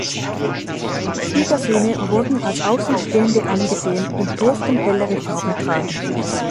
Schwiegersöhne wurden als Außenstehende angesehen und durften hellere Farben tragen.